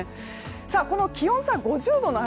この気温差５０度の話